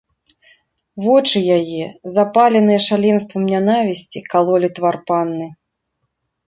Вочы яе, запаленыя шаленствам нянавісці, калолі твар панны.